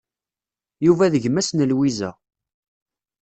Yuba d gma-s n Lwiza.